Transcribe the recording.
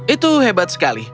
itu hebat sekali